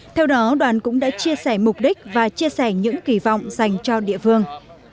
theo đó đoàn cũng đã chia sẻ mục đích và chia sẻ những kỳ vọng dành cho địa phương